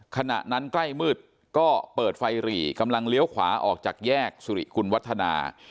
ขณะนั้นใกล้มืดก็เปิดไฟหรี่กำลังเลี้ยวขวาออกจากแยกสุริกุลวัฒนา